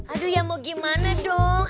aduh ya mau gimana dong